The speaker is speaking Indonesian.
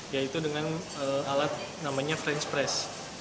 yaitu dengan alat namanya franch press